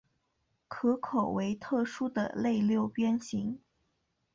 壳口为特殊的类六边形。